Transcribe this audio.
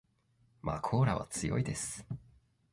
まこーらは強いです